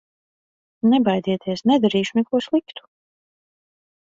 Nebaidieties, nedarīšu neko sliktu!